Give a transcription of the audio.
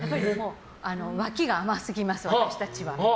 脇が甘すぎます、私たちは。